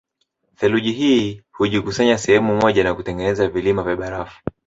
Theluji hii hujikusanya sehemu moja na kutengeneza vilima vya barafu